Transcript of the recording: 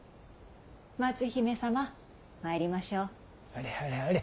松姫様参りましょう。